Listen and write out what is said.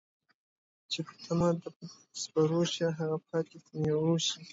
چې په تمه د سپرو شي ، هغه پاتې په میرو ښی